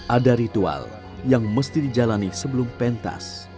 ada ritual yang mesti dijalani sebelum pentas